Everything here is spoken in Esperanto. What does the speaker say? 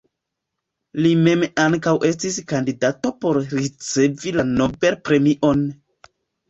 Li mem ankaŭ estis kandidato por ricevi la Nobel-premion.